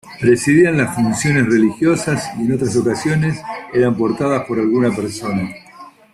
Presidían las funciones religiosas y en otras ocasiones eran portadas por alguna persona.